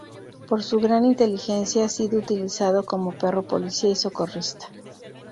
Por su gran inteligencia ha sido utilizado como perro policía y socorrista.